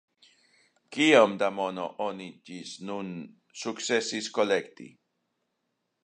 Kiom da mono oni ĝis nun sukcesis kolekti?